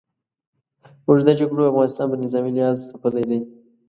اوږدو جګړو افغانستان په نظامي لحاظ ځپلی دی.